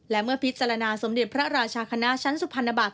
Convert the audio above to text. และเมื่อพิจารณาสมเด็จพระราชาคณะชั้นสุพรรณบัตร